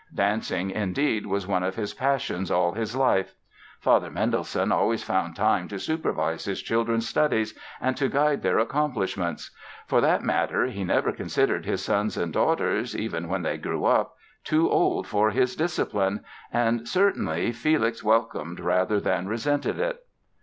Dancing, indeed, was one of his passions all his life. Father Mendelssohn always found time to supervise his children's studies and to guide their accomplishments. For that matter he never considered his sons and daughters—even when they grew up—too old for his discipline; and, certainly, Felix welcomed rather than resented it.